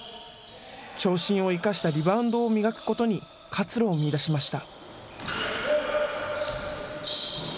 長身を生かしたリバウンドを磨くことに活路を見いだしました。